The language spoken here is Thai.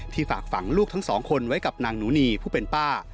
ฝากฝังลูกทั้งสองคนไว้กับนางหนูนีผู้เป็นป้า